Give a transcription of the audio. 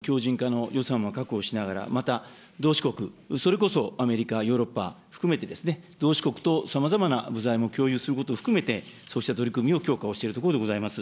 さまざまな事態も想定しながら、私ども、サプライチェーンの強じん化の予算も確保しながら、また同志国、それこそアメリカ、ヨーロッパ含めてですね、同志国とさまざまな部材も共有することも含めて、そうした取り組みを強化をしているところでございます。